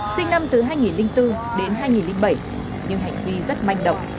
sinh năm từ hai nghìn bốn đến hai nghìn bảy nhưng hành vi rất manh động